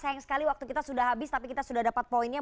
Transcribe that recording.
sayang sekali waktu kita sudah habis tapi kita sudah dapat poinnya